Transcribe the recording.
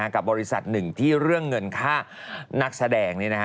กับบริษัทหนึ่งที่เรื่องเงินค่านักแสดง